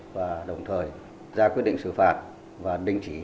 và đồng thời ra quyết định xử phạt và đình chỉ